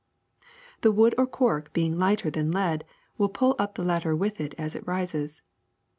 The wood or cork, being lighter than lead, will pull up the latter with it as it rises.